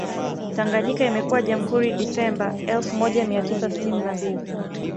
tanganyika imekuwa jamhuri disemba elfu moja mia tisa sitini na mbili